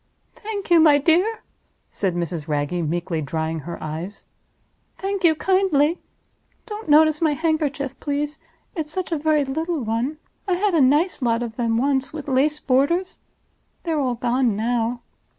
"Thank you, my dear," said Mrs. Wragge, meekly, drying her eyes; "thank you kindly. Don't notice my handkerchief, please. It's such a very little one! I had a nice lot of them once, with lace borders. They're all gone now.